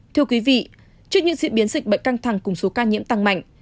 thưa quý vị trước những diễn biến dịch bệnh căng thẳng cùng số ca nhiễm tăng mạnh